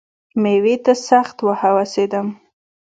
مېوې ته سخت وهوسېدم .